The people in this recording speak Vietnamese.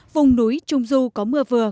vùng núi trung du có mưa vừa